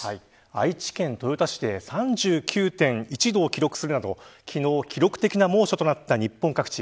愛知県豊田市で３９．１度を記録するなど昨日、記録的な猛暑となった日本各地。